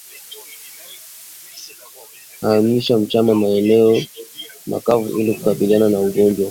Hamishia wanyama maeneo makavu ili kukabiliana na ugonjwa